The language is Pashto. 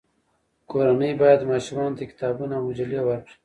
کورنۍ باید ماشومانو ته کتابونه او مجلې ورکړي.